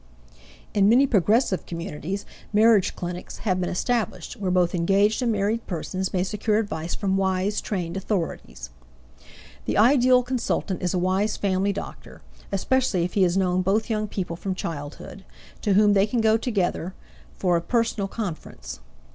In many progressive communities marriage clinics have been established, where both engaged and married persons may secure advice from wise, trained authorities. The ideal consultant is a wise family doctor especially if he has known both young people from childhood to whom they can go together for a personal conference.